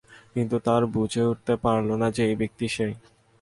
কিন্তু তারা বুঝে উঠতে পারছিল না যে, এ ব্যক্তিই সে।